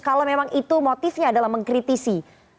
kalau memang itu motifnya adalah mengkritisi